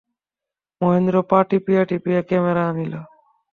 মহেন্দ্র পা টিপিয়া টিপিয়া ক্যামেরা আনিল।